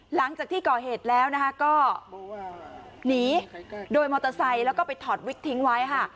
หลังจากที่ก่อเหตุแล้วนะคะก็หนีโดยมอเตอร์ไซค์แล้วก็ไปถอดวิกทิ้งไว้ค่ะ